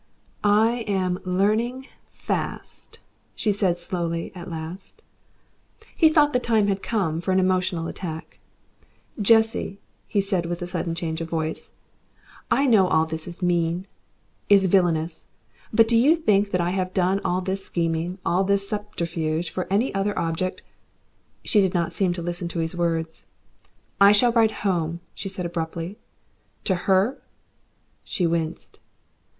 "I am learning fast," she said slowly, at last. He thought the time had come for an emotional attack. "Jessie," he said, with a sudden change of voice, "I know all this is mean, isvillanous. But do you think that I have done all this scheming, all this subterfuge, for any other object " She did not seem to listen to his words. "I shall ride home," she said abruptly. "To her?" She winced.